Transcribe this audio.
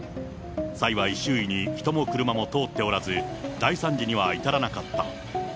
幸い、周囲に人も車も通っておらず、大惨事には至らなかった。